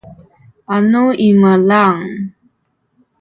anu imelang